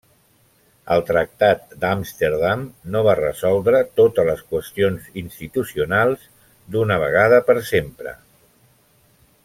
El Tractat d'Amsterdam no va resoldre totes les qüestions institucionals d'una vegada per sempre.